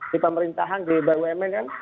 di pemerintahan di bumn kan